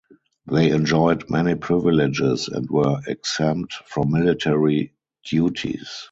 They enjoyed many privileges and were exempt from military duties.